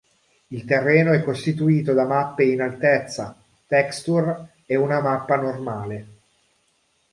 Il terreno è costituito da mappe in altezza, texture e una mappa normale.